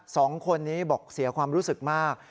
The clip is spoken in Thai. สองคนนี้บอกเสียความรู้สึกมาก